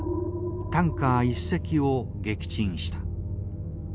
タンカー１隻を撃沈した。